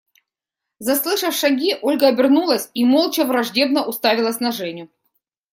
Заслышав шаги, Ольга обернулась и молча враждебно уставилась на Женю.